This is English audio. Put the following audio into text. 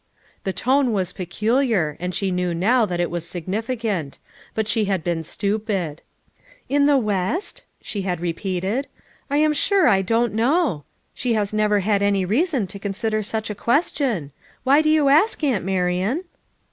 The tone was peculiar and she knew now that it was significant; but she had been stupid, "In the West?" she had repeated. "I am sure I don't know; she has never had any rea son to consider such a question. Why do you ask, Aunt Marian?"